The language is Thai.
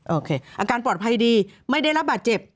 โอเคอาการปลอดภัยดีไม่ได้รับบาดเจ็บ